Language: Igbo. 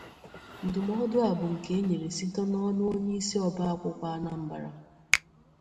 Ndụmọdụ a bụ nke e nyere site n'ọnụ onyeisi ọba akwụkwọ Anambra